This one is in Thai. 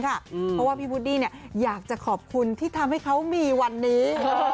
เพราะว่าพี่วูดดี้อยากจะขอบคุณที่ทำให้เขามีวันนี้